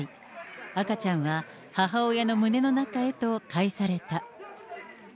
赤ちゃんは母親の胸の中へと返された。